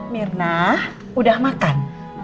mirna udah makan